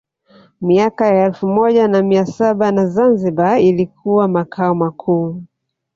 Miaka ya elfu moja na mia saba na Zanzibar ilikuwa Makao makuu